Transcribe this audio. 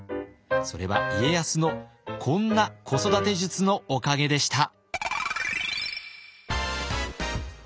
それは家康のこんな子育て術のおかげでした。